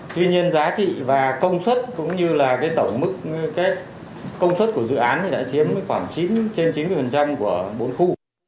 tuy nhiên giá trị và công suất cũng như là tổng mức công suất của dự án thì đã chiếm khoảng chín trên chín mươi của bốn khu